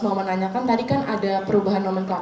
mau menanyakan tadi kan ada perubahan nomenklarasi